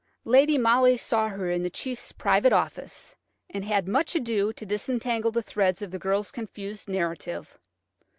Lady Molly saw her in the chief's private office, and had much ado to disentangle the threads of the girl's confused narrative.